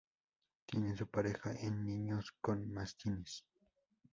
Tiene su pareja en "Niños con mastines".